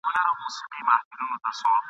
په ښاخلو کي یې جوړ کړي وه کورونه !.